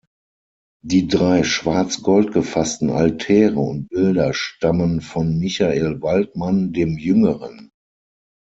Die drei schwarz-gold gefassten Altäre und Bilder stammen von Michael Waldmann dem Jüngeren.